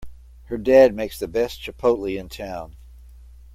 Her dad makes the best chipotle in town!